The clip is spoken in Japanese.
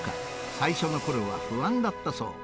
最初のころは不安だったそう。